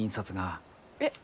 えっ？